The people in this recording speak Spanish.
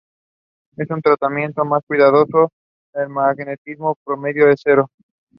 En un tratamiento más cuidadoso, la magnetización promedio es cero.